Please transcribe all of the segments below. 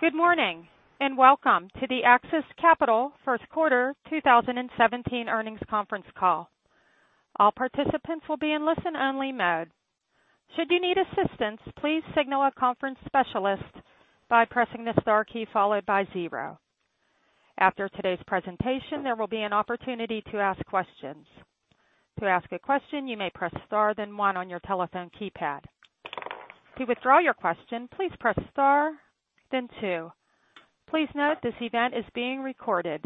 Good morning, and welcome to the AXIS Capital first quarter 2017 earnings conference call. All participants will be in listen-only mode. Should you need assistance, please signal a conference specialist by pressing the star key followed by 0. After today's presentation, there will be an opportunity to ask questions. To ask a question, you may press star, then 1 on your telephone keypad. To withdraw your question, please press star, then 2. Please note this event is being recorded.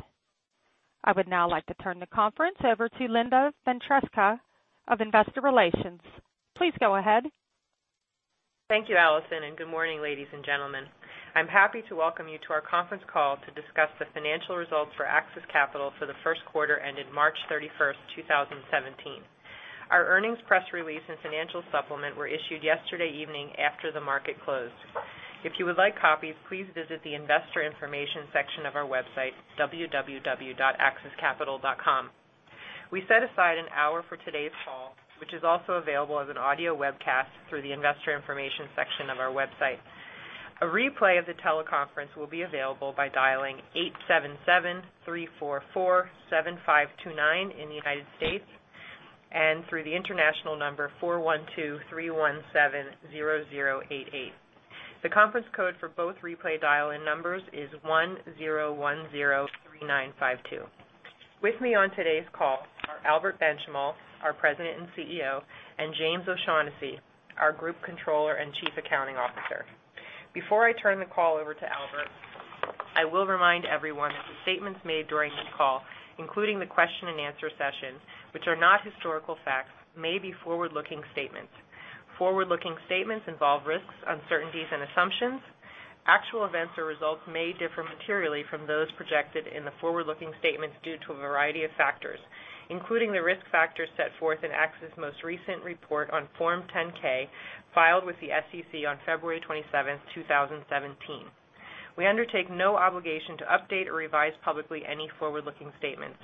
I would now like to turn the conference over to Linda Ventresca of Investor Relations. Please go ahead. Thank you, Allison, and good morning, ladies and gentlemen. I'm happy to welcome you to our conference call to discuss the financial results for AXIS Capital for the first quarter ended March 31st, 2017. Our earnings press release and financial supplement were issued yesterday evening after the market closed. If you would like copies, please visit the investor information section of our website, www.axiscapital.com. We set aside 1 hour for today's call, which is also available as an audio webcast through the investor information section of our website. A replay of the teleconference will be available by dialing 877-344-7529 in the U.S., and through the international number 412-317-0088. The conference code for both replay dial-in numbers is 10103952. With me on today's call are Albert Benchimol, our President and CEO, and James O'Shaughnessy, our Group Controller and Chief Accounting Officer. Before I turn the call over to Albert, I will remind everyone that the statements made during this call, including the question and answer session, which are not historical facts, may be forward-looking statements. Forward-looking statements involve risks, uncertainties, and assumptions. Actual events or results may differ materially from those projected in the forward-looking statements due to a variety of factors, including the risk factors set forth in AXIS' most recent report on Form 10-K, filed with the SEC on February 27th, 2017. We undertake no obligation to update or revise publicly any forward-looking statements.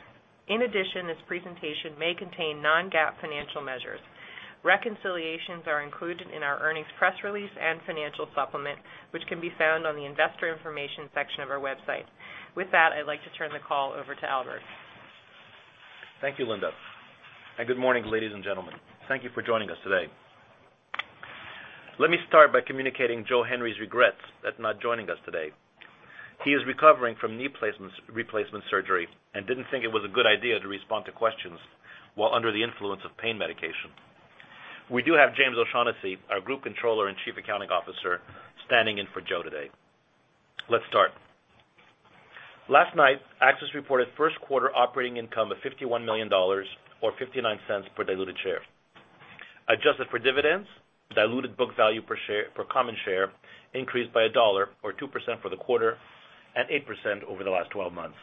In addition, this presentation may contain non-GAAP financial measures. Reconciliations are included in our earnings press release and financial supplement, which can be found on the investor information section of our website. With that, I'd like to turn the call over to Albert. Thank you, Linda, and good morning, ladies and gentlemen. Thank you for joining us today. Let me start by communicating Joe Henry's regrets at not joining us today. He is recovering from knee replacement surgery and didn't think it was a good idea to respond to questions while under the influence of pain medication. We do have James O'Shaughnessy, our Group Controller and Chief Accounting Officer, standing in for Joe today. Let's start. Last night, AXIS reported first quarter operating income of $51 million, or $0.59 per diluted share. Adjusted for dividends, diluted book value per common share increased by $1 or 2% for the quarter and 8% over the last 12 months.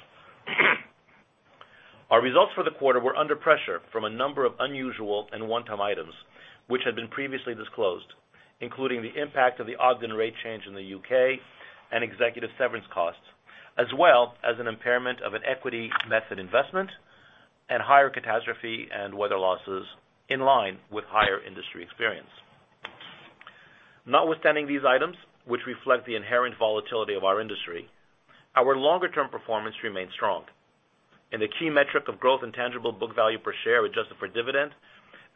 Our results for the quarter were under pressure from a number of unusual and one-time items which had been previously disclosed, including the impact of the Ogden rate change in the U.K. and executive severance costs, as well as an impairment of an equity method investment and higher catastrophe and weather losses in line with higher industry experience. Notwithstanding these items, which reflect the inherent volatility of our industry, our longer-term performance remains strong. In the key metric of growth in tangible book value per share adjusted for dividend,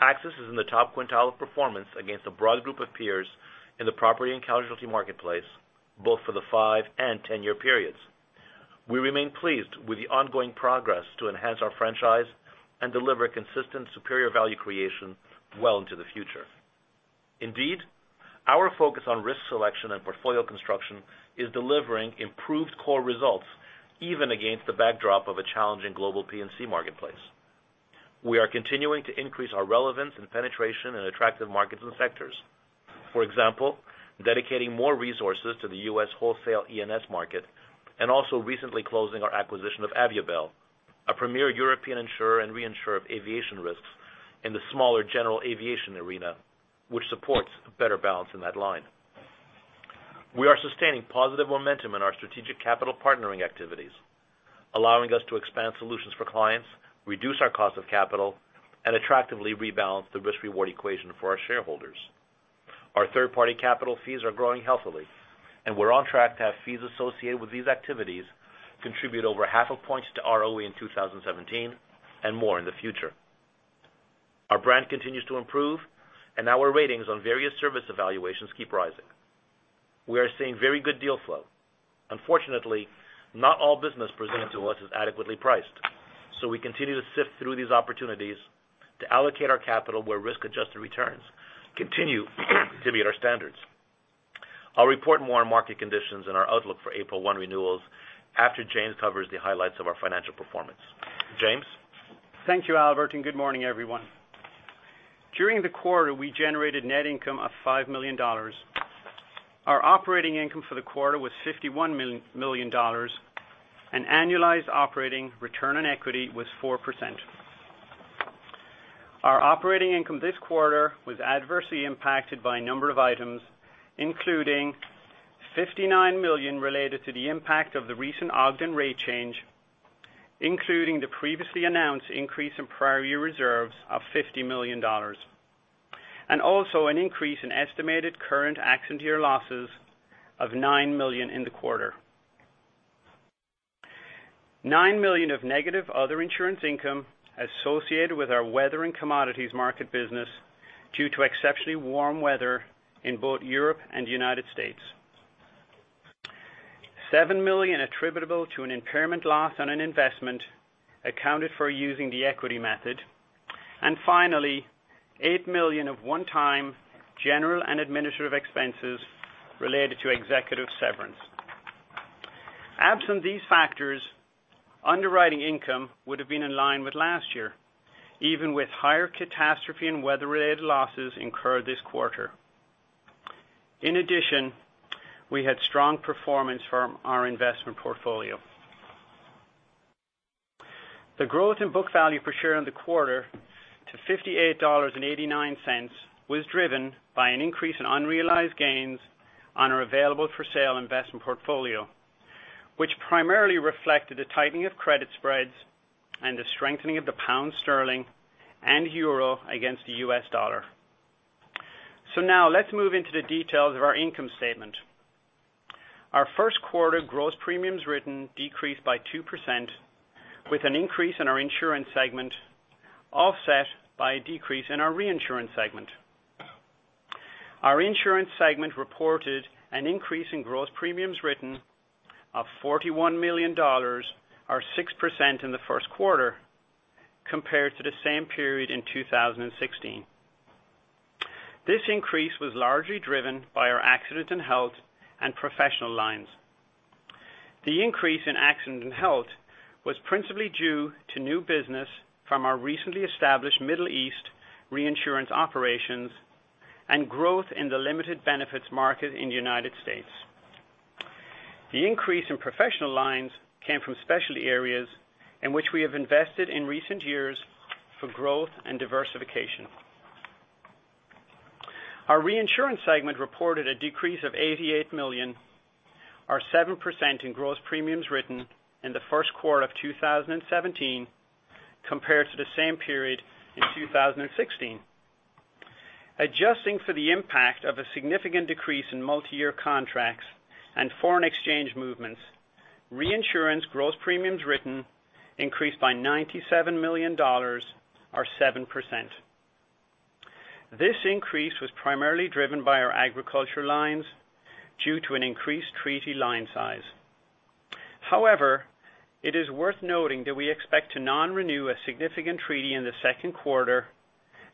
AXIS is in the top quintile of performance against a broad group of peers in the property and casualty marketplace, both for the five and 10-year periods. We remain pleased with the ongoing progress to enhance our franchise and deliver consistent superior value creation well into the future. Indeed, our focus on risk selection and portfolio construction is delivering improved core results, even against the backdrop of a challenging global P&C marketplace. We are continuing to increase our relevance and penetration in attractive markets and sectors. For example, dedicating more resources to the U.S. wholesale E&S market and also recently closing our acquisition of Aviabel, a premier European insurer and reinsurer of aviation risks in the smaller general aviation arena, which supports a better balance in that line. We are sustaining positive momentum in our strategic capital partnering activities, allowing us to expand solutions for clients, reduce our cost of capital, and attractively rebalance the risk-reward equation for our shareholders. Our third-party capital fees are growing healthily, and we're on track to have fees associated with these activities contribute over half a point to ROE in 2017 and more in the future. Our brand continues to improve. Our ratings on various service evaluations keep rising. We are seeing very good deal flow. Unfortunately, not all business presented to us is adequately priced. We continue to sift through these opportunities to allocate our capital where risk-adjusted returns continue to meet our standards. I'll report more on market conditions and our outlook for April 1 renewals after James covers the highlights of our financial performance. James? Thank you, Albert, and good morning, everyone. During the quarter, we generated net income of $5 million. Our operating income for the quarter was $51 million, and annualized operating return on equity was 4%. Our operating income this quarter was adversely impacted by a number of items, including $59 million related to the impact of the recent Ogden rate change, including the previously announced increase in prior year reserves of $50 million Also an increase in estimated current accident year losses of $9 million in the quarter. $9 million of negative other insurance income associated with our weather and commodities market business due to exceptionally warm weather in both Europe and the U.S. $7 million attributable to an impairment loss on an investment accounted for using the equity method. Finally, $8 million of one-time general and administrative expenses related to executive severance. Absent these factors, underwriting income would have been in line with last year, even with higher catastrophe and weather-related losses incurred this quarter. In addition, we had strong performance from our investment portfolio. The growth in book value per share in the quarter to $58.89 was driven by an increase in unrealized gains on our available-for-sale investment portfolio, which primarily reflected a tightening of credit spreads and the strengthening of the pound sterling and euro against the US dollar. Now let's move into the details of our income statement. Our first quarter gross premiums written decreased by 2%, with an increase in our Insurance segment offset by a decrease in our Reinsurance segment. Our Insurance segment reported an increase in gross premiums written of $41 million, or 6% in the first quarter compared to the same period in 2016. This increase was largely driven by our accident and health and professional lines. The increase in accident and health was principally due to new business from our recently established Middle East reinsurance operations and growth in the limited benefits market in the U.S. The increase in professional lines came from specialty areas in which we have invested in recent years for growth and diversification. Our Reinsurance segment reported a decrease of $88 million, or 7% in gross premiums written in the first quarter of 2017 compared to the same period in 2016. Adjusting for the impact of a significant decrease in multi-year contracts and foreign exchange movements, reinsurance gross premiums written increased by $97 million, or 7%. This increase was primarily driven by our agriculture lines due to an increased treaty line size. However, it is worth noting that we expect to non-renew a significant treaty in the second quarter.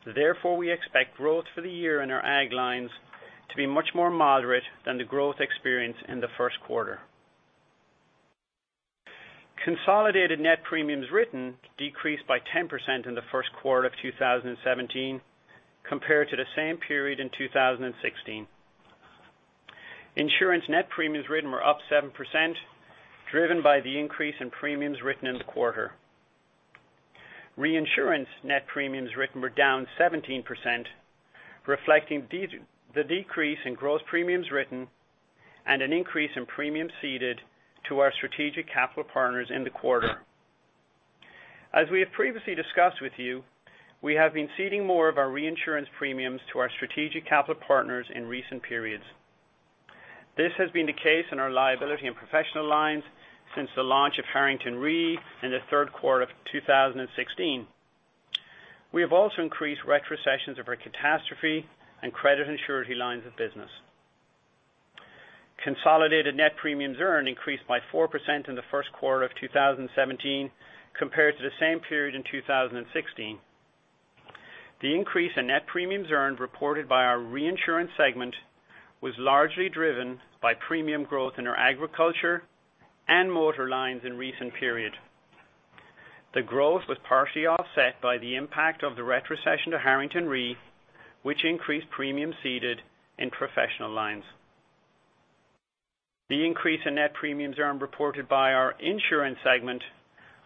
We expect growth for the year in our ag lines to be much more moderate than the growth experienced in the first quarter. Consolidated net premiums written decreased by 10% in the first quarter of 2017 compared to the same period in 2016. Insurance net premiums written were up 7%, driven by the increase in premiums written in the quarter. Reinsurance net premiums written were down 17%, reflecting the decrease in gross premiums written and an increase in premiums ceded to our strategic capital partners in the quarter. As we have previously discussed with you, we have been ceding more of our reinsurance premiums to our strategic capital partners in recent periods. This has been the case in our liability and professional lines since the launch of Harrington Re in the third quarter of 2016. We have also increased retrocessions of our catastrophe and credit and surety lines of business. Consolidated net premiums earned increased by 4% in the first quarter of 2017 compared to the same period in 2016. The increase in net premiums earned reported by our reinsurance segment was largely driven by premium growth in our agriculture and motor lines in recent periods. The growth was partially offset by the impact of the retrocession to Harrington Re, which increased premiums ceded in professional lines. The increase in net premiums earned reported by our insurance segment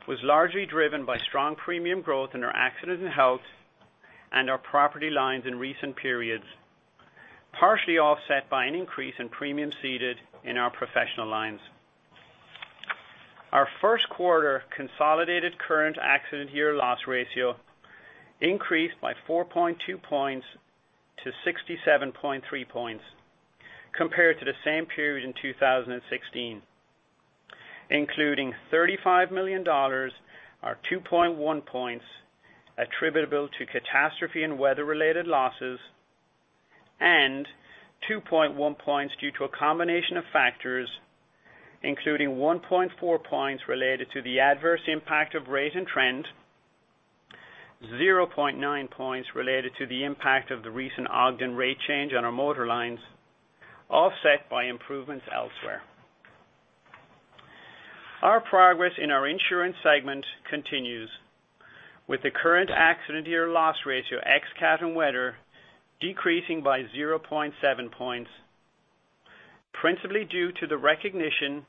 was largely driven by strong premium growth in our accident & health and our property lines in recent periods, partially offset by an increase in premiums ceded in our professional lines. Our first quarter consolidated current accident year loss ratio increased by 4.2 points to 67.3 points compared to the same period in 2016, including $35 million, or 2.1 points attributable to catastrophe and weather-related losses, and 2.1 points due to a combination of factors, including 1.4 points related to the adverse impact of rate and trend, 0.9 points related to the impact of the recent Ogden rate change on our motor lines, offset by improvements elsewhere. Our progress in our insurance segment continues, with the current accident year loss ratio ex cat and weather decreasing by 0.7 points, principally due to the recognition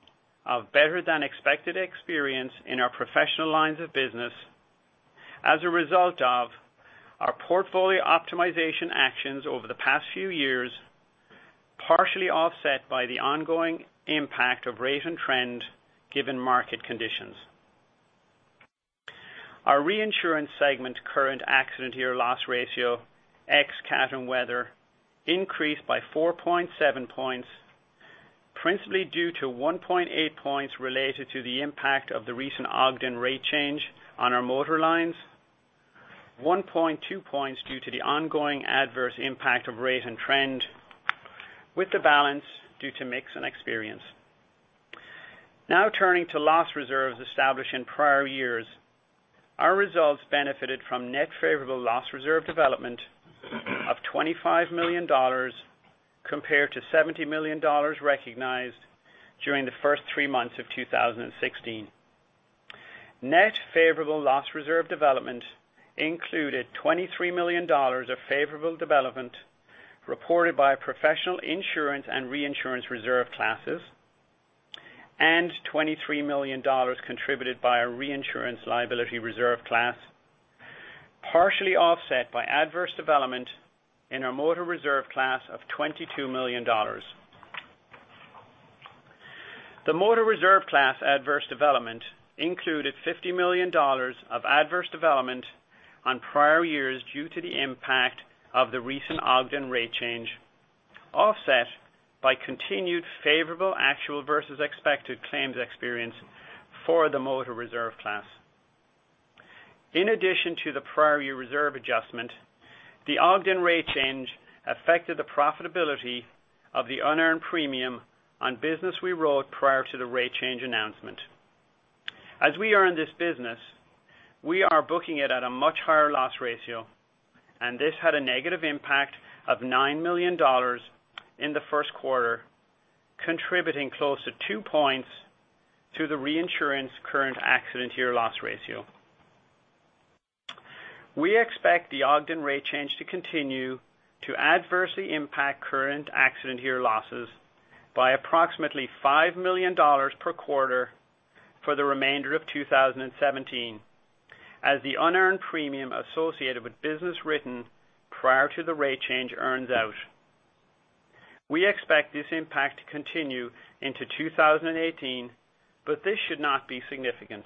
of better-than-expected experience in our professional lines of business as a result of our portfolio optimization actions over the past few years, partially offset by the ongoing impact of rate and trend given market conditions. Our reinsurance segment current accident year loss ratio, ex cat and weather, increased by 4.7 points, principally due to 1.8 points related to the impact of the recent Ogden rate change on our motor lines, 1.2 points due to the ongoing adverse impact of rate and trend, with the balance due to mix and experience. Turning to loss reserves established in prior years. Our results benefited from net favorable loss reserve development of $25 million compared to $70 million recognized during the first three months of 2016. Net favorable loss reserve development included $23 million of favorable development reported by professional insurance and reinsurance reserve classes, and $23 million contributed by our reinsurance liability reserve class, partially offset by adverse development in our motor reserve class of $22 million. The motor reserve class adverse development included $50 million of adverse development on prior years due to the impact of the recent Ogden rate change, offset by continued favorable actual versus expected claims experience for the motor reserve class. In addition to the prior year reserve adjustment, the Ogden rate change affected the profitability of the unearned premium on business we wrote prior to the rate change announcement. As we earn this business, we are booking it at a much higher loss ratio, and this had a negative impact of $9 million in the first quarter, contributing close to two points to the reinsurance current accident year loss ratio. We expect the Ogden rate change to continue to adversely impact current accident year losses by approximately $5 million per quarter for the remainder of 2017 as the unearned premium associated with business written prior to the rate change earns out. This should not be significant.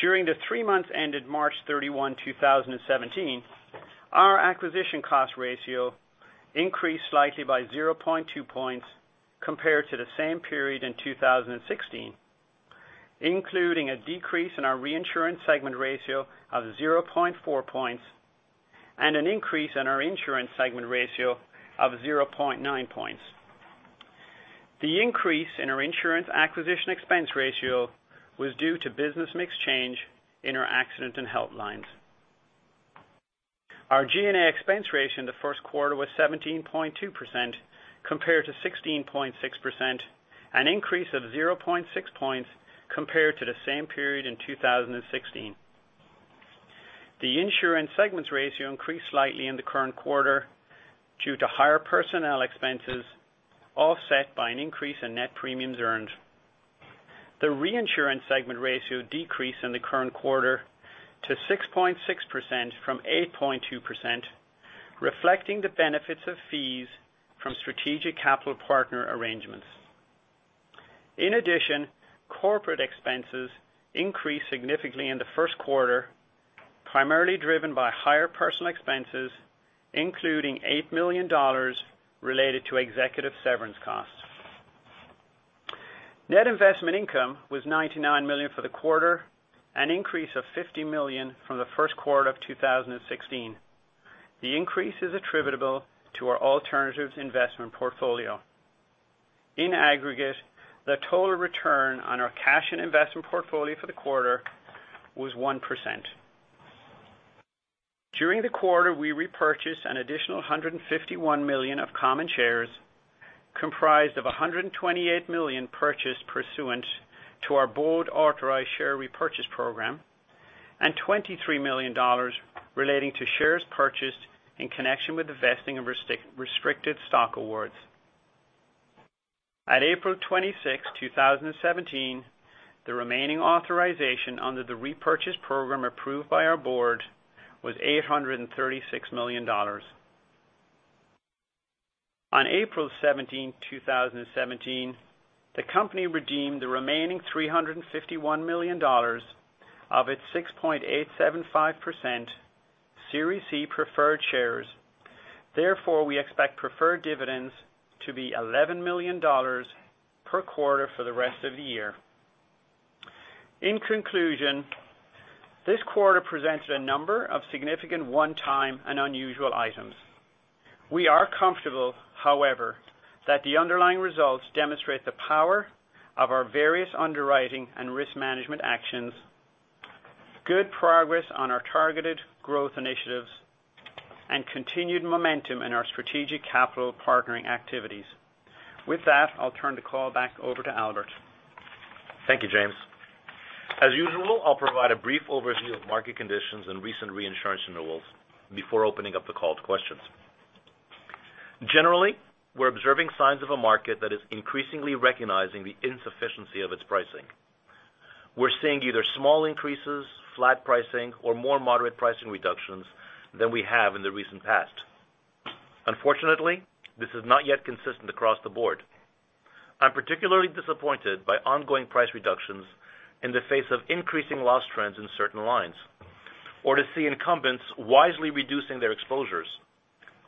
During the three months ended March 31, 2017, our acquisition cost ratio increased slightly by 0.2 points compared to the same period in 2016, including a decrease in our reinsurance segment ratio of 0.4 points and an increase in our insurance segment ratio of 0.9 points. The increase in our insurance acquisition expense ratio was due to business mix change in our accident and health lines. Our G&A expense ratio in the first quarter was 17.2% compared to 16.6%, an increase of 0.6 points compared to the same period in 2016. The insurance segment's ratio increased slightly in the current quarter due to higher personnel expenses, offset by an increase in net premiums earned. The reinsurance segment ratio decreased in the current quarter to 6.6% from 8.2%, reflecting the benefits of fees from strategic capital partner arrangements. Corporate expenses increased significantly in the first quarter, primarily driven by higher personnel expenses, including $8 million related to executive severance costs. Net investment income was $99 million for the quarter, an increase of $50 million from the first quarter of 2016. The increase is attributable to our alternatives investment portfolio. In aggregate, the total return on our cash and investment portfolio for the quarter was 1%. During the quarter, we repurchased an additional 151 million of common shares, comprised of 128 million purchased pursuant to our board-authorized share repurchase program and $23 million relating to shares purchased in connection with the vesting of restricted stock awards. At April 26, 2017, the remaining authorization under the repurchase program approved by our board was $836 million. On April 17, 2017, the company redeemed the remaining $351 million of its 6.875% Series C preferred shares. We expect preferred dividends to be $11 million per quarter for the rest of the year. This quarter presented a number of significant one-time and unusual items. We are comfortable, however, that the underlying results demonstrate the power of our various underwriting and risk management actions, good progress on our targeted growth initiatives, and continued momentum in our strategic capital partnering activities. With that, I'll turn the call back over to Albert. Thank you, James. I'll provide a brief overview of market conditions and recent reinsurance renewals before opening up the call to questions. We're observing signs of a market that is increasingly recognizing the insufficiency of its pricing. We're seeing either small increases, flat pricing, or more moderate pricing reductions than we have in the recent past. This is not yet consistent across the board. I'm particularly disappointed by ongoing price reductions in the face of increasing loss trends in certain lines, or to see incumbents wisely reducing their exposures,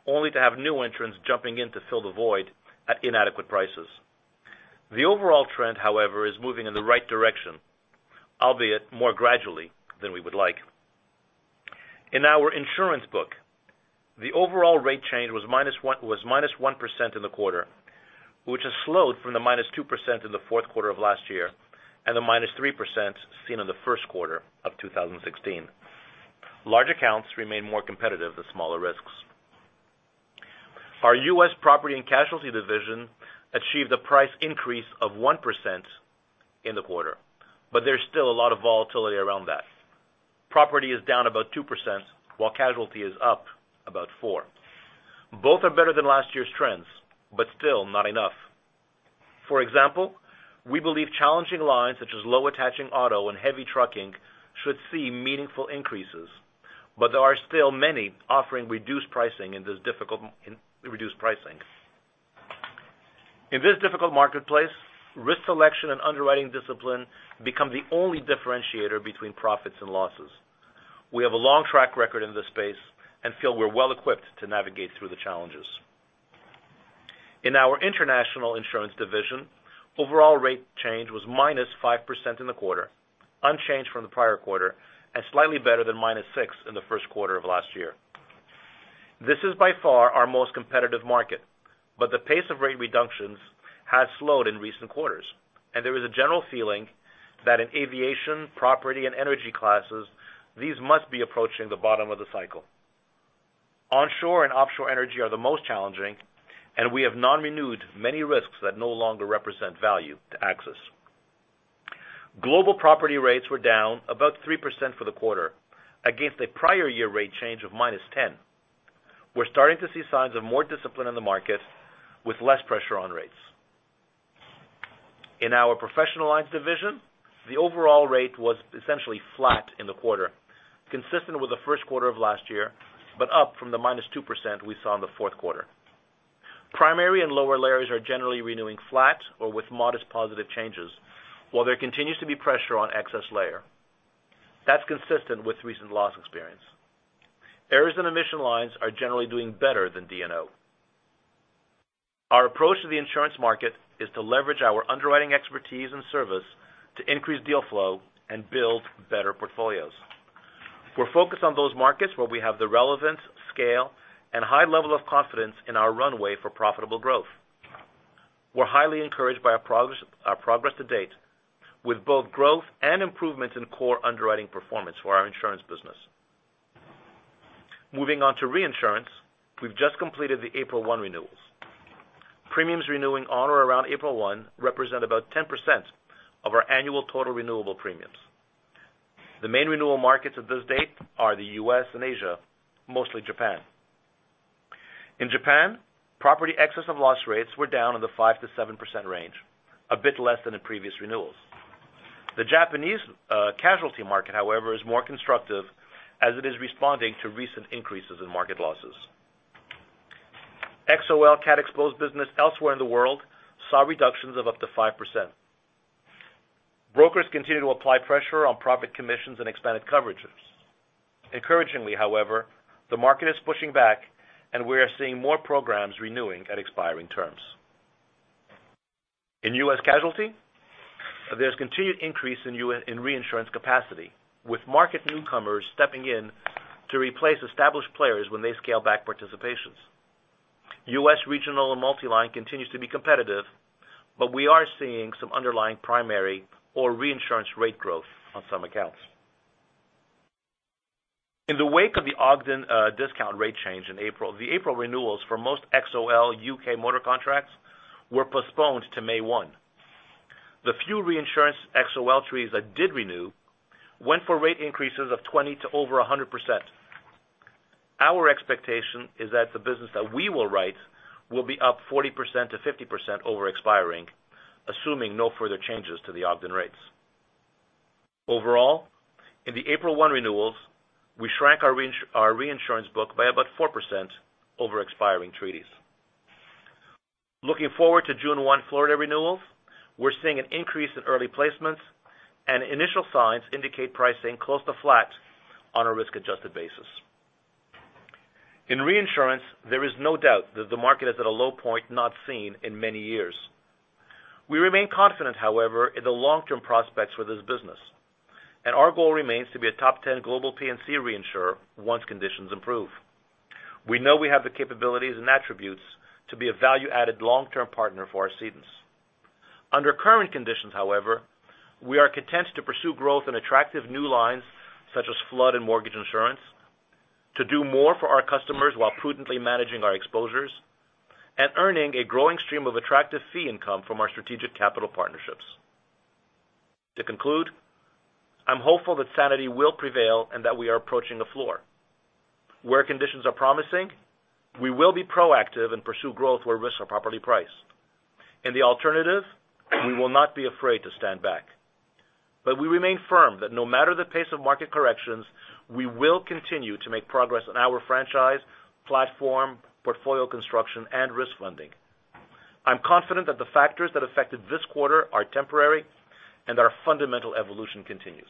only to have new entrants jumping in to fill the void at inadequate prices. The overall trend, however, is moving in the right direction, albeit more gradually than we would like. In our insurance book, the overall rate change was -1% in the quarter, which has slowed from the -2% in the fourth quarter of last year and the -3% seen in the first quarter of 2016. Large accounts remain more competitive than smaller risks. Our U.S. property and casualty division achieved a price increase of 1% in the quarter, there's still a lot of volatility around that. Property is down about 2%, while casualty is up about 4%. Both are better than last year's trends, still not enough. For example, we believe challenging lines such as low attaching auto and heavy trucking should see meaningful increases, there are still many offering reduced pricing. In this difficult marketplace, risk selection and underwriting discipline become the only differentiator between profits and losses. We have a long track record in this space and feel we're well equipped to navigate through the challenges. In our international insurance division, overall rate change was -5% in the quarter, unchanged from the prior quarter, slightly better than -6% in the first quarter of last year. This is by far our most competitive market, the pace of rate reductions has slowed in recent quarters, there is a general feeling that in aviation, property, and energy classes, these must be approaching the bottom of the cycle. Onshore and offshore energy are the most challenging, we have non-renewed many risks that no longer represent value to AXIS. Global property rates were down about 3% for the quarter against a prior year rate change of -10%. We're starting to see signs of more discipline in the market with less pressure on rates. In our Professional division, the overall rate was essentially flat in the quarter, consistent with the first quarter of last year, but up from the -2% we saw in the fourth quarter. Primary and lower layers are generally renewing flat or with modest positive changes while there continues to be pressure on excess layer. That's consistent with recent loss experience. Errors and Omissions lines are generally doing better than D&O. Our approach to the insurance market is to leverage our underwriting expertise and service to increase deal flow and build better portfolios. We're focused on those markets where we have the relevance, scale, and high level of confidence in our runway for profitable growth. We're highly encouraged by our progress to date with both growth and improvements in core underwriting performance for our insurance business. Moving on to reinsurance, we've just completed the April 1 renewals. Premiums renewing on or around April 1 represent about 10% of our annual total renewable premiums. The main renewal markets at this date are the U.S. and Asia, mostly Japan. In Japan, property excess of loss rates were down in the 5%-7% range, a bit less than in previous renewals. The Japanese casualty market, however, is more constructive as it is responding to recent increases in market losses. XOL CAT exposed business elsewhere in the world saw reductions of up to 5%. Brokers continue to apply pressure on profit commissions and expanded coverages. Encouragingly, however, the market is pushing back and we are seeing more programs renewing at expiring terms. In U.S. casualty, there's continued increase in reinsurance capacity, with market newcomers stepping in to replace established players when they scale back participations. U.S. regional and multi-line continues to be competitive, we are seeing some underlying primary or reinsurance rate growth on some accounts. In the wake of the Ogden discount rate change in April, the April renewals for most XOL U.K. motor contracts were postponed to May 1. The few reinsurance XOL treaties that did renew went for rate increases of 20% to over 100%. Our expectation is that the business that we will write will be up 40% to 50% over expiring, assuming no further changes to the Ogden rates. Overall, in the April 1 renewals, we shrank our reinsurance book by about 4% over expiring treaties. Looking forward to June 1 Florida renewals, we are seeing an increase in early placements and initial signs indicate pricing close to flat on a risk-adjusted basis. In reinsurance, there is no doubt that the market is at a low point not seen in many years. We remain confident, however, in the long-term prospects for this business, our goal remains to be a top 10 global P&C reinsurer once conditions improve. We know we have the capabilities and attributes to be a value-added long-term partner for our cedents. Under current conditions, however, we are content to pursue growth in attractive new lines such as flood and mortgage insurance, to do more for our customers while prudently managing our exposures, earning a growing stream of attractive fee income from our strategic capital partnerships. To conclude, I am hopeful that sanity will prevail that we are approaching the floor. Where conditions are promising, we will be proactive and pursue growth where risks are properly priced. In the alternative, we will not be afraid to stand back. We remain firm that no matter the pace of market corrections, we will continue to make progress on our franchise, platform, portfolio construction, and risk funding. I am confident that the factors that affected this quarter are temporary and our fundamental evolution continues.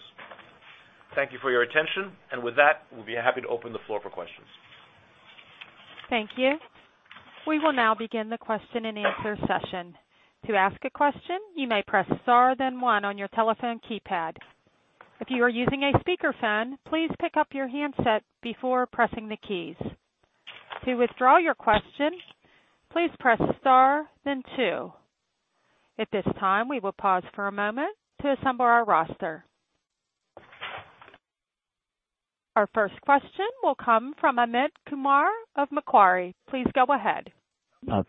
Thank you for your attention. With that, we will be happy to open the floor for questions. Thank you. We will now begin the question and answer session. To ask a question, you may press star, then one on your telephone keypad. If you are using a speakerphone, please pick up your handset before pressing the keys. To withdraw your question, please press star then two. At this time, we will pause for a moment to assemble our roster. Our first question will come from Amit Kumar of Macquarie. Please go ahead.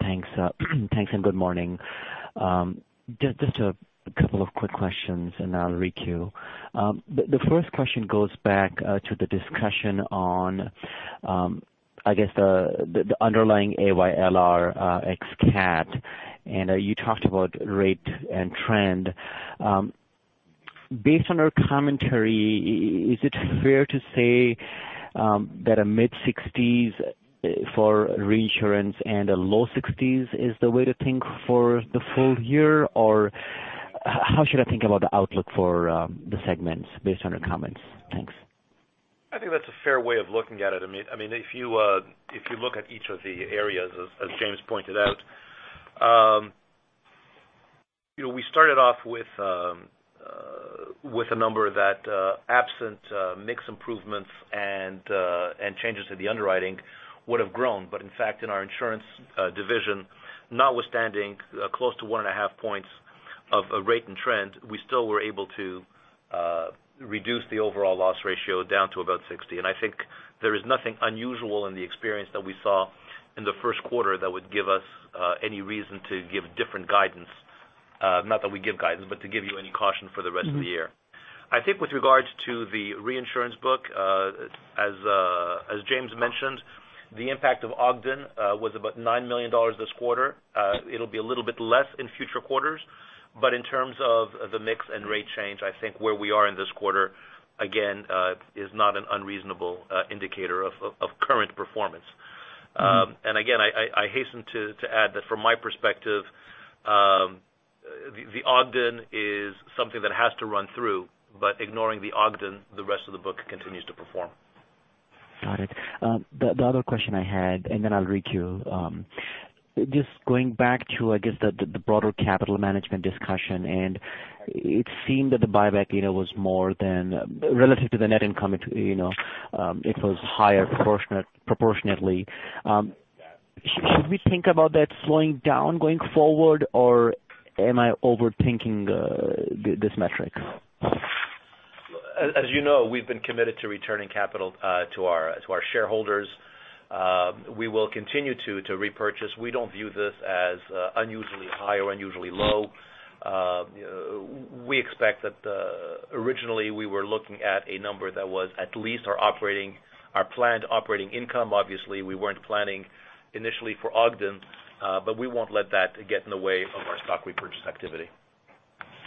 Thanks. Good morning. Just a couple of quick questions. I'll re-queue. The first question goes back to the discussion on the underlying AYLR ex-CAT. You talked about rate and trend. Based on your commentary, is it fair to say that a mid-60s for reinsurance and a low 60s is the way to think for the full year? How should I think about the outlook for the segments based on your comments? Thanks. I think that's a fair way of looking at it, Amit. If you look at each of the areas, as James pointed out, we started off with a number that absent mix improvements and changes to the underwriting would have grown. In fact, in our insurance division, notwithstanding close to one and a half points of rate and trend, we still were able to reduce the overall loss ratio down to about 60. I think there is nothing unusual in the experience that we saw in the first quarter that would give us any reason to give different guidance, not that we give guidance, but to give you any caution for the rest of the year. I think with regards to the reinsurance book, as James mentioned, the impact of Ogden was about $9 million this quarter. It'll be a little bit less in future quarters. In terms of the mix and rate change, I think where we are in this quarter, again, is not an unreasonable indicator of current performance. Again, I hasten to add that from my perspective, the Ogden is something that has to run through, but ignoring the Ogden, the rest of the book continues to perform. Got it. The other question I had. Then I'll re-queue. Just going back to the broader capital management discussion. It seemed that the buyback was more than relative to the net income, it was higher proportionately. Should we think about that slowing down going forward? Am I overthinking this metric? As you know, we've been committed to returning capital to our shareholders. We will continue to repurchase. We don't view this as unusually high or unusually low. We expect that originally we were looking at a number that was at least our planned operating income. Obviously, we weren't planning initially for Ogden, but we won't let that get in the way of our stock repurchase activity.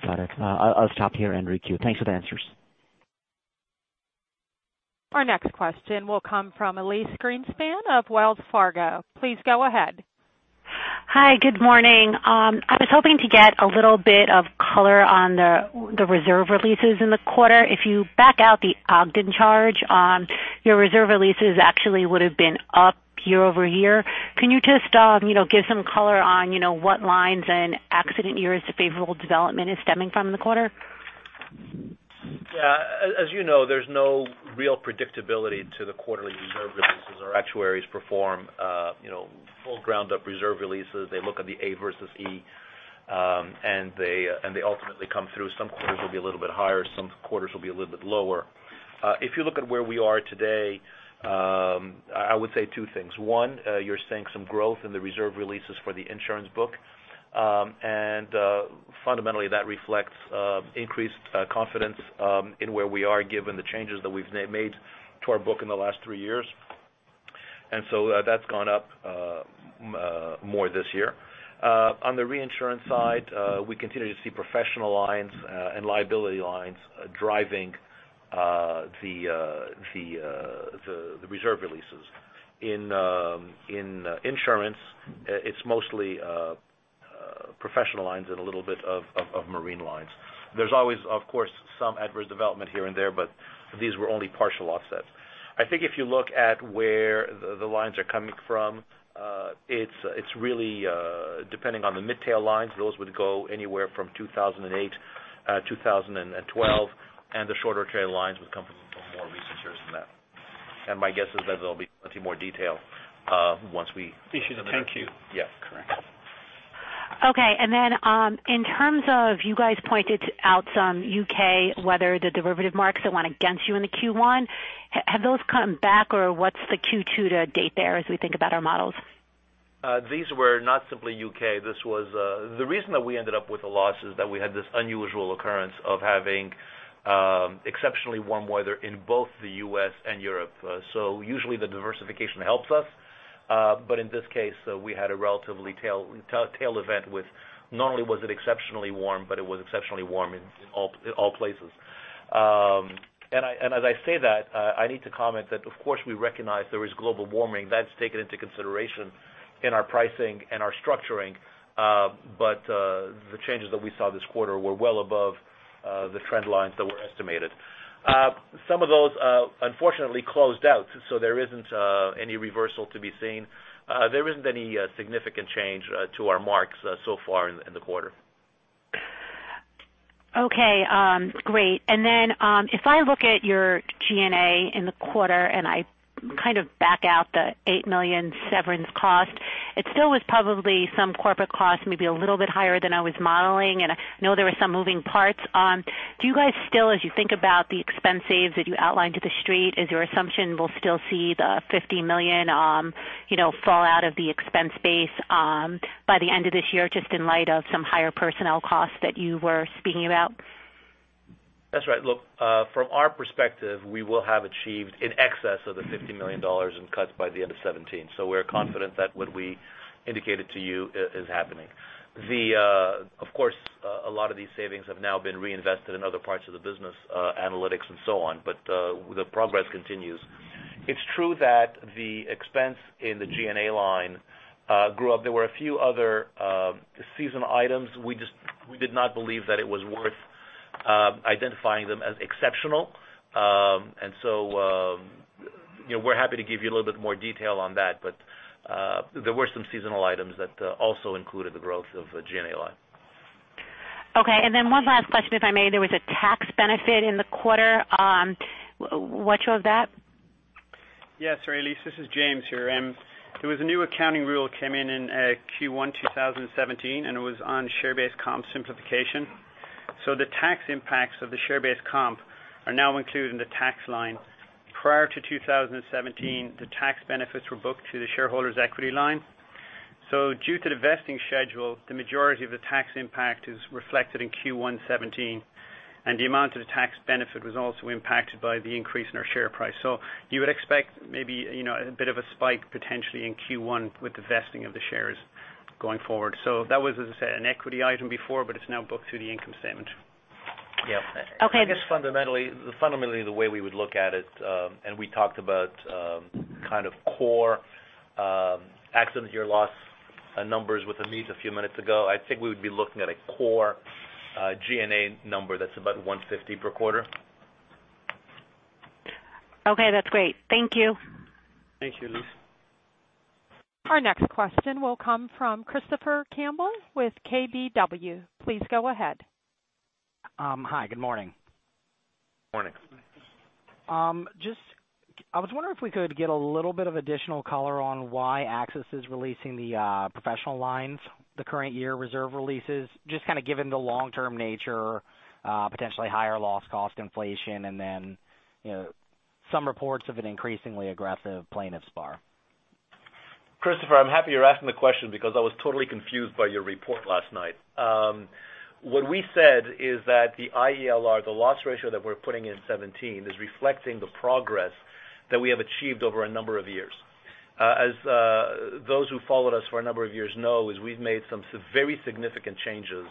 Got it. I'll stop here and re-queue. Thanks for the answers. Our next question will come from Elyse Greenspan of Wells Fargo. Please go ahead. Hi, good morning. I was hoping to get a little bit of color on the reserve releases in the quarter. If you back out the Ogden charge, your reserve releases actually would have been up year-over-year. Can you just give some color on what lines and accident years the favorable development is stemming from in the quarter? As you know, there's no real predictability to the quarterly reserve releases. Our actuaries perform full ground-up reserve releases. They look at the A versus E, and they ultimately come through. Some quarters will be a little bit higher, some quarters will be a little bit lower. If you look at where we are today, I would say two things. One, you're seeing some growth in the reserve releases for the insurance book. Fundamentally, that reflects increased confidence in where we are given the changes that we've made to our book in the last three years. So that's gone up more this year. On the reinsurance side, we continue to see professional lines and liability lines driving the reserve releases. In insurance, it's mostly professional lines and a little bit of marine lines. There's always, of course, some adverse development here and there, but these were only partial offsets. I think if you look at where the lines are coming from, it's really depending on the mid-tail lines. Those would go anywhere from 2008, 2012, and the shorter tail lines would come from more recent years than that. My guess is that there'll be plenty more detail once we issue the next Q. Thank you. Yes, correct. Okay. Then in terms of you guys pointed out some U.K. weather, the derivative marks that went against you in the Q1. Have those come back or what's the Q2 to date there as we think about our models? These were not simply U.K. The reason that we ended up with a loss is that we had this unusual occurrence of having exceptionally warm weather in both the U.S. and Europe. Usually the diversification helps us. In this case, we had a relatively tail event with not only was it exceptionally warm, but it was exceptionally warm in all places. As I say that, I need to comment that of course we recognize there is global warming that's taken into consideration in our pricing and our structuring. The changes that we saw this quarter were well above the trend lines that were estimated. Some of those, unfortunately closed out, so there isn't any reversal to be seen. There isn't any significant change to our marks so far in the quarter. Okay, great. Then if I look at your G&A in the quarter, and I kind of back out the $8 million severance cost, it still was probably some corporate cost, maybe a little bit higher than I was modeling, and I know there were some moving parts. Do you guys still, as you think about the expense saves that you outlined to the street, is your assumption we'll still see the $50 million fall out of the expense base by the end of this year, just in light of some higher personnel costs that you were speaking about? That's right. Look, from our perspective, we will have achieved in excess of the $50 million in cuts by the end of 2017. We're confident that what we indicated to you is happening. Of course, a lot of these savings have now been reinvested in other parts of the business, analytics and so on. The progress continues. It's true that the expense in the G&A line grew up. There were a few other seasonal items. We did not believe that it was worth identifying them as exceptional. We're happy to give you a little bit more detail on that. There were some seasonal items that also included the growth of the G&A line. Okay. One last question, if I may. There was a tax benefit in the quarter. What showed that? Yes, sorry, Elyse, this is James here. There was a new accounting rule came in in Q1 2017. It was on share-based comp simplification. The tax impacts of the share-based comp are now included in the tax line. Prior to 2017, the tax benefits were booked to the shareholders' equity line. Due to the vesting schedule, the majority of the tax impact is reflected in Q1 '17. The amount of the tax benefit was also impacted by the increase in our share price. You would expect maybe a bit of a spike potentially in Q1 with the vesting of the shares going forward. That was, as I said, an equity item before, but it's now booked through the income statement. Yeah. Okay. Just fundamentally the way we would look at it. We talked about kind of core accident year loss numbers with Amit a few minutes ago. I think we would be looking at a core G&A number that's about $150 per quarter. Okay, that's great. Thank you. Thank you, Elyse. Our next question will come from Christopher Campbell with KBW. Please go ahead. Hi, good morning. Morning. Just I was wondering if we could get a little bit of additional color on why AXIS is releasing the professional lines, the current year reserve releases, just kind of given the long-term nature, potentially higher loss cost inflation, and then some reports of an increasingly aggressive plaintiffs bar. Christopher, I'm happy you're asking the question because I was totally confused by your report last night. What we said is that the IELR, the loss ratio that we're putting in 2017 is reflecting the progress that we have achieved over a number of years. As those who followed us for a number of years know is we've made some very significant changes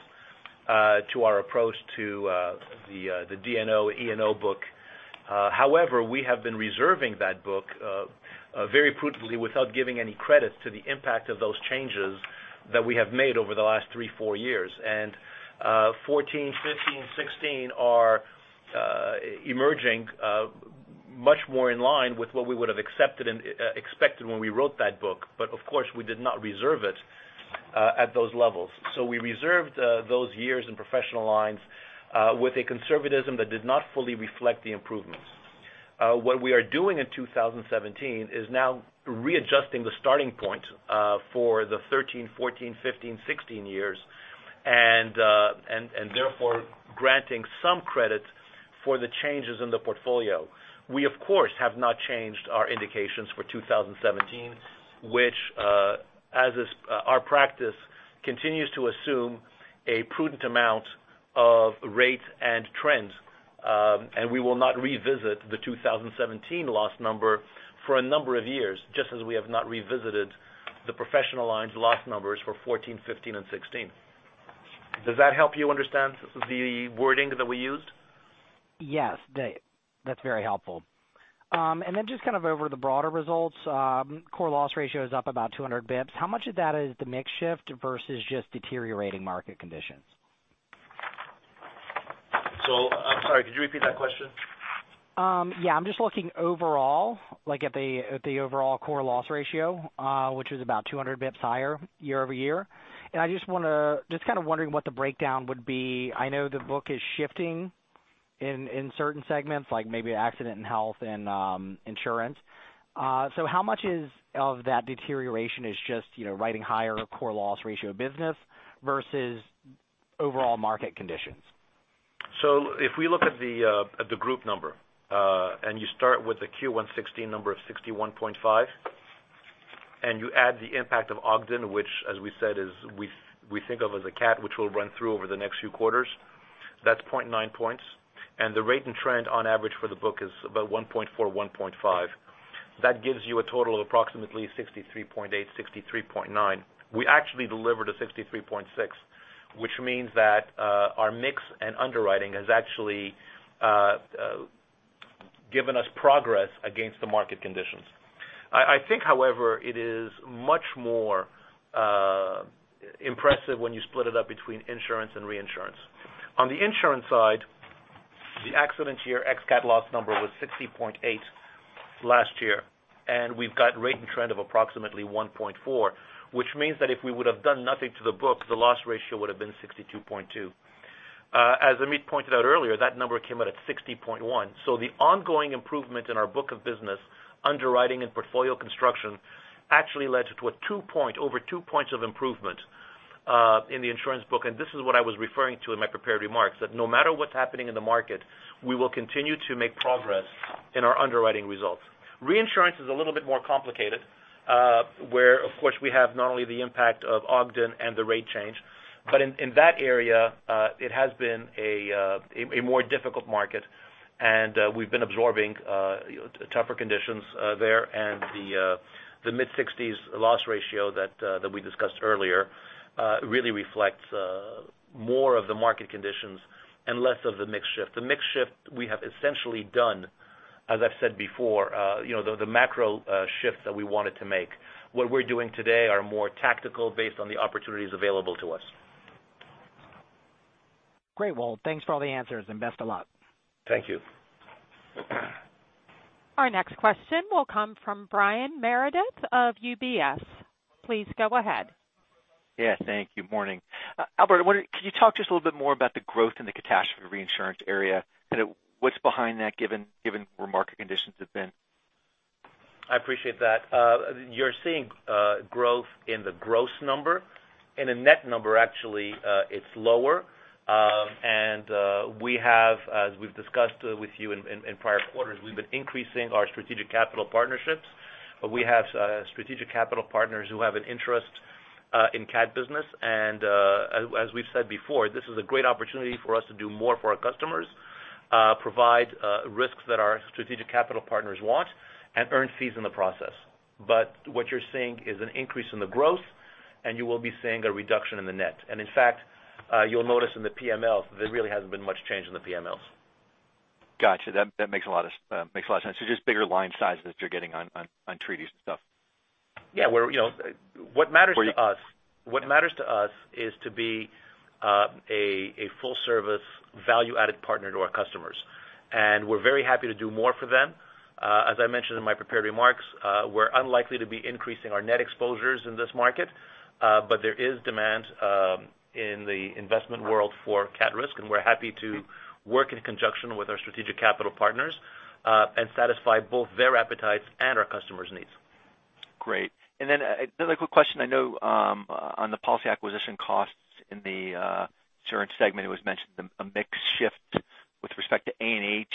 to our approach to the D&O, E&O book. However, we have been reserving that book very prudently without giving any credit to the impact of those changes that we have made over the last three, four years. 2014, 2015, 2016 are emerging much more in line with what we would have expected when we wrote that book. Of course, we did not reserve it at those levels. We reserved those years in professional lines with a conservatism that did not fully reflect the improvements. What we are doing in 2017 is now readjusting the starting point for the 2013, 2014, 2015, 2016 years, therefore granting some credit for the changes in the portfolio. We of course have not changed our indications for 2017, which as is our practice, continues to assume a prudent amount of rates and trends. We will not revisit the 2017 loss number for a number of years, just as we have not revisited the professional lines loss numbers for 2014, 2015, and 2016. Does that help you understand the wording that we used? Yes, that's very helpful. Then just kind of over the broader results, core loss ratio is up about 200 basis points. How much of that is the mix shift versus just deteriorating market conditions? I'm sorry, could you repeat that question? Yeah. I'm just looking overall, like at the overall core loss ratio, which is about 200 basis points higher year-over-year. I just kind of wondering what the breakdown would be. I know the book is shifting in certain segments, like maybe accident and health and insurance. How much of that deterioration is just writing higher core loss ratio business versus overall market conditions? If we look at the group number, and you start with the Q1 2016 number of 61.5, and you add the impact of Ogden, which as we said, we think of as a CAT, which we'll run through over the next few quarters. That's 0.9 points. The rate and trend on average for the book is about 1.4, 1.5. That gives you a total of approximately 63.8, 63.9. We actually delivered a 63.6, which means that our mix and underwriting has actually given us progress against the market conditions. I think, however, it is much more impressive when you split it up between insurance and reinsurance. On the insurance side, the accident year ex-CAT loss number was 60.8 last year, and we've got rate and trend of approximately 1.4, which means that if we would have done nothing to the book, the loss ratio would've been 62.2. As Amit pointed out earlier, that number came out at 60.1. The ongoing improvement in our book of business underwriting and portfolio construction actually led to over two points of improvement in the insurance book. This is what I was referring to in my prepared remarks, that no matter what's happening in the market, we will continue to make progress in our underwriting results. Reinsurance is a little bit more complicated, where, of course, we have not only the impact of Ogden and the rate change, but in that area, it has been a more difficult market, and we've been absorbing tougher conditions there. The mid-60s loss ratio that we discussed earlier really reflects more of the market conditions and less of the mix shift. The mix shift we have essentially done, as I've said before, the macro shifts that we wanted to make. What we're doing today are more tactical, based on the opportunities available to us. Great, Albert. Thanks for all the answers, best of luck. Thank you. Our next question will come from Brian Meredith of UBS. Please go ahead. Yeah, thank you. Morning. Albert, can you talk to us a little bit more about the growth in the catastrophe reinsurance area? What's behind that given where market conditions have been? I appreciate that. You're seeing growth in the gross number. In a net number, actually, it's lower. We have, as we've discussed with you in prior quarters, we've been increasing our strategic capital partnerships. We have strategic capital partners who have an interest in cat business, and as we've said before, this is a great opportunity for us to do more for our customers, provide risks that our strategic capital partners want, and earn fees in the process. What you're seeing is an increase in the growth, and you will be seeing a reduction in the net. In fact, you'll notice in the PMLs, there really hasn't been much change in the PMLs. Got you. That makes a lot of sense. Just bigger line sizes that you're getting on treaties and stuff. Yeah. What matters to us is to be a full-service, value-added partner to our customers, we're very happy to do more for them. As I mentioned in my prepared remarks, we're unlikely to be increasing our net exposures in this market. There is demand in the investment world for cat risk, we're happy to work in conjunction with our strategic capital partners, and satisfy both their appetites and our customers' needs. Great. Then another quick question. I know on the policy acquisition costs in the insurance segment, it was mentioned a mix shift with respect to A&H.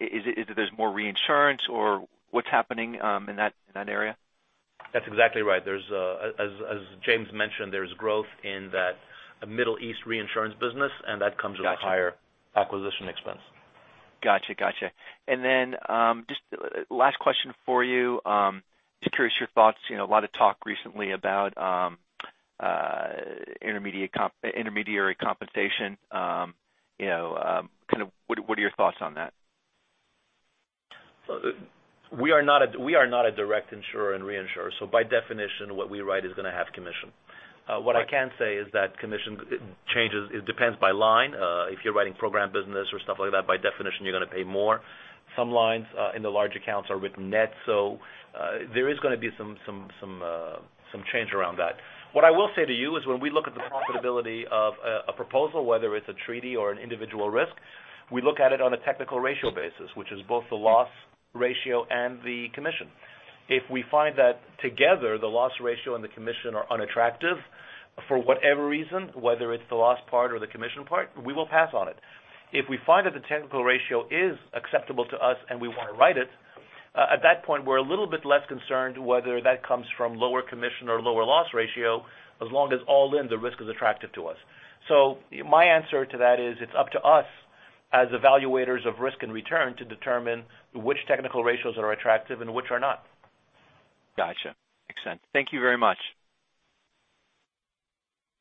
Is it there's more reinsurance, or what's happening in that area? That's exactly right. As James mentioned, there's growth in that Middle East reinsurance business, that comes. Got you. With higher acquisition expense. Got you. Just last question for you. Just curious your thoughts, a lot of talk recently about intermediary compensation. What are your thoughts on that? We are not a direct insurer and reinsurer, so by definition, what we write is going to have commission. Right. What I can say is that commission changes. It depends by line. If you're writing program business or stuff like that, by definition, you're going to pay more. Some lines in the large accounts are written net, so there is going to be some change around that. What I will say to you is when we look at the profitability of a proposal, whether it's a treaty or an individual risk, we look at it on a technical ratio basis, which is both the loss ratio and the commission. If we find that together, the loss ratio and the commission are unattractive for whatever reason, whether it's the loss part or the commission part, we will pass on it. If we find that the technical ratio is acceptable to us and we want to write it, at that point, we're a little bit less concerned whether that comes from lower commission or lower loss ratio, as long as all in, the risk is attractive to us. My answer to that is it's up to us as evaluators of risk and return to determine which technical ratios are attractive and which are not. Got you. Makes sense. Thank you very much.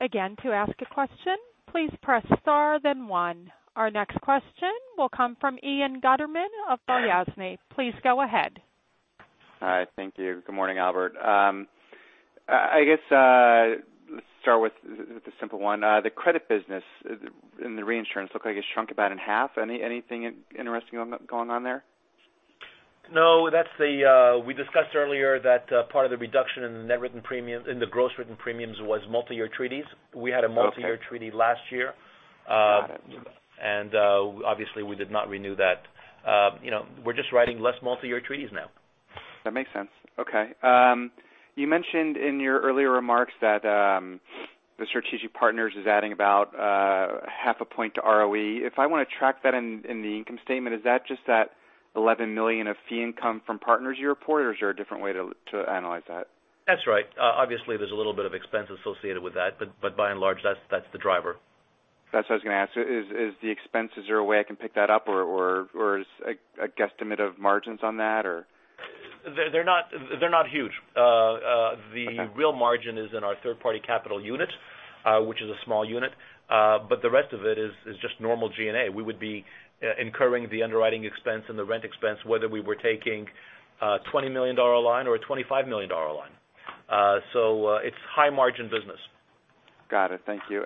Again, to ask a question, please press star then one. Our next question will come from Ian Gutterman of Balyasny. Please go ahead. Hi. Thank you. Good morning, Albert. I guess let's start with the simple one. The credit business in the reinsurance looked like it shrunk about in half. Anything interesting going on there? No. We discussed earlier that part of the reduction in the gross written premiums was multi-year treaties. Okay. We had a multi-year treaty last year. Got it. Obviously, we did not renew that. We're just writing less multi-year treaties now. That makes sense. Okay. You mentioned in your earlier remarks that the strategic partners is adding about half a point to ROE. If I want to track that in the income statement, is that just that $11 million of fee income from partners you report, or is there a different way to analyze that? That's right. Obviously, there's a little bit of expense associated with that, but by and large, that's the driver. That's what I was going to ask you. Is the expense, is there a way I can pick that up? Or is a guesstimate of margins on that, or? They're not huge. Okay. The real margin is in our third-party capital unit, which is a small unit. The rest of it is just normal G&A. We would be incurring the underwriting expense and the rent expense whether we were taking a $20 million line or a $25 million line. It's high margin business. Got it. Thank you.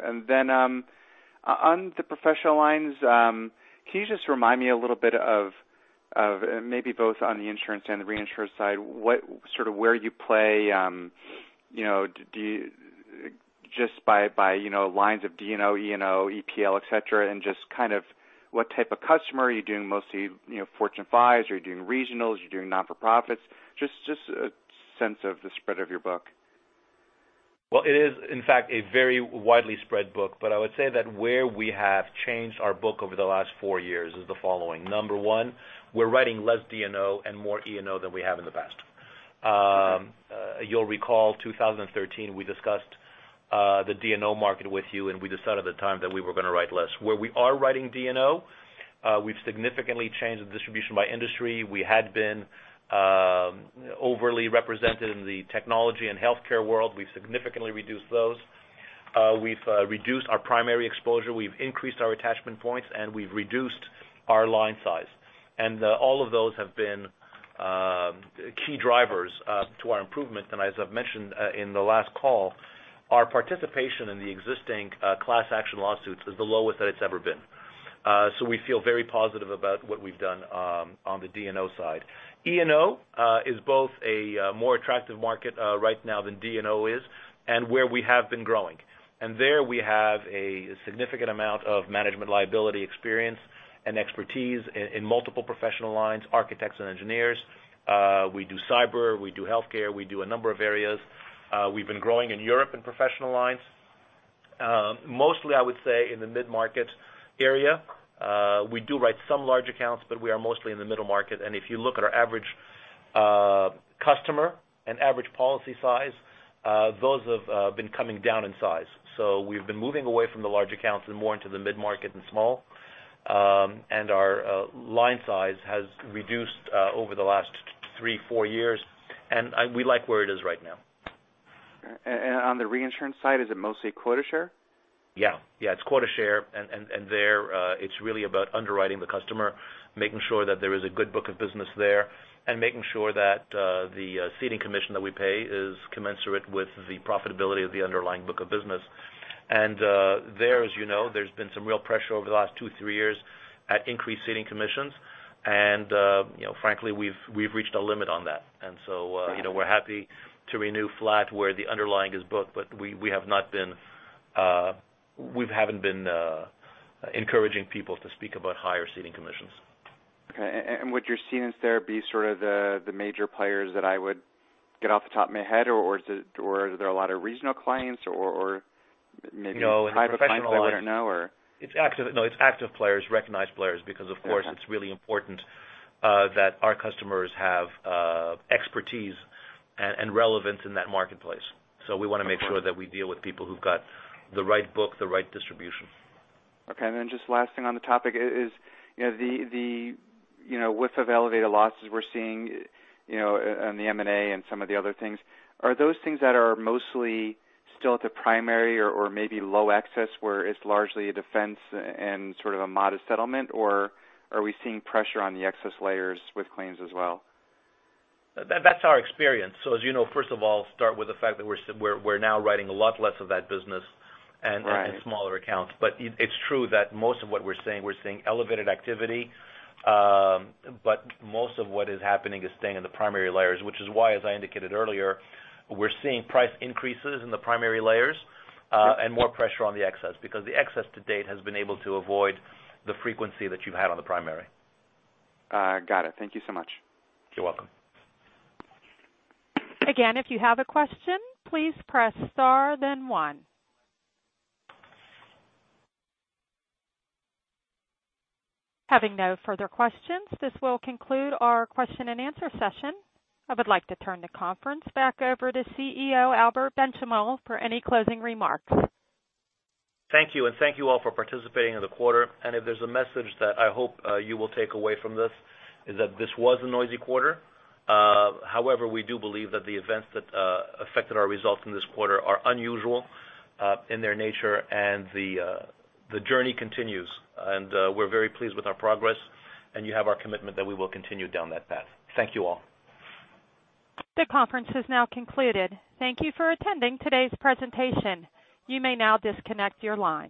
On the professional lines, can you just remind me a little bit of maybe both on the insurance and the reinsurance side, sort of where you play, just by lines of D&O, E&O, EPL, et cetera, and just kind of what type of customer. Are you doing mostly Fortune 500s? Are you doing regionals? Are you doing not-for-profits? Just a sense of the spread of your book. Well, it is in fact a very widely spread book. I would say that where we have changed our book over the last four years is the following. Number one, we're writing less D&O and more E&O than we have in the past. You'll recall 2013, we discussed the D&O market with you, and we decided at the time that we were going to write less. Where we are writing D&O, we've significantly changed the distribution by industry. We had been overly represented in the technology and healthcare world. We've significantly reduced those. We've reduced our primary exposure. We've increased our attachment points, and we've reduced our line size. All of those have been key drivers to our improvement. As I've mentioned in the last call, our participation in the existing class action lawsuits is the lowest that it's ever been. We feel very positive about what we've done on the D&O side. E&O is both a more attractive market right now than D&O is, and where we have been growing. There we have a significant amount of management liability experience and expertise in multiple professional lines, architects and engineers. We do cyber, we do healthcare, we do a number of areas. We've been growing in Europe in professional lines. Mostly, I would say in the mid-market area. We do write some large accounts, but we are mostly in the middle market. If you look at our average customer and average policy size, those have been coming down in size. We've been moving away from the large accounts and more into the mid-market and small. Our line size has reduced over the last three, four years. We like where it is right now. On the reinsurance side, is it mostly quota share? Yeah. It's quota share, there, it's really about underwriting the customer, making sure that there is a good book of business there, and making sure that the ceding commission that we pay is commensurate with the profitability of the underlying book of business. There, as you know, there's been some real pressure over the last two, three years at increased ceding commissions, frankly, we've reached a limit on that. We're happy to renew flat where the underlying is booked, but we haven't been encouraging people to speak about higher ceding commissions. Okay. Would your cedents there be sort of the major players that I would get off the top of my head, or are there a lot of regional clients or maybe private clients I wouldn't know, or? No, it's active players, recognized players because, of course. Okay It's really important that our customers have expertise and relevance in that marketplace. We want to make sure that we deal with people who've got the right book, the right distribution. Okay, just last thing on the topic is the wave of elevated losses we're seeing in the M&A and some of the other things. Are those things that are mostly still at the primary or maybe low excess where it's largely a defense and sort of a modest settlement, or are we seeing pressure on the excess layers with claims as well? That's our experience. As you know, first of all, start with the fact that we're now writing a lot less of that business. Right in smaller accounts. It's true that most of what we're seeing, we're seeing elevated activity. Most of what is happening is staying in the primary layers, which is why, as I indicated earlier, we're seeing price increases in the primary layers and more pressure on the excess because the excess to date has been able to avoid the frequency that you've had on the primary. Got it. Thank you so much. You're welcome. Again, if you have a question, please press star then one. Having no further questions, this will conclude our question and answer session. I would like to turn the conference back over to CEO Albert Benchimol for any closing remarks. Thank you, thank you all for participating in the quarter. If there's a message that I hope you will take away from this is that this was a noisy quarter. However, we do believe that the events that affected our results in this quarter are unusual in their nature and the journey continues. We're very pleased with our progress, and you have our commitment that we will continue down that path. Thank you all. The conference has now concluded. Thank you for attending today's presentation. You may now disconnect your line.